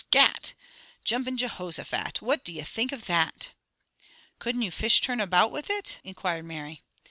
"Scat! Jumpin' Jehosophat! What do you think of that!" "Couldn't you fish turn about with it?" inquired Mary.